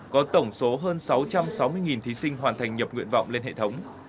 có tổng số hơn sáu trăm sáu mươi thí sinh hoàn thành nhập nguyện vọng lên hệ thống